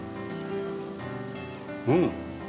うん！